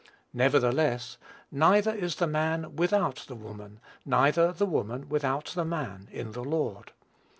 Nevertheless, neither is the man without the woman, neither the woman without the man in the Lord.